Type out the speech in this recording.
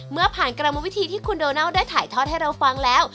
เมื่อผ่านกรรมวิธีที่คุณโดนัลได้ถ่ายทอดให้เราฟังแล้ว